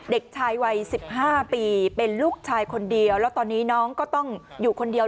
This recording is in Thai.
เด็กชายวัย๑๕ปีเป็นลูกชายคนเดียวแล้วตอนนี้น้องก็ต้องอยู่คนเดียว